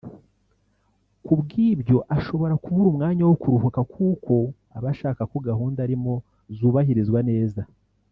ku bw’ibyo ashobora kubura umwanya wo kuruhuka kuko aba ashaka ko gahunda arimo zubahirizwa neza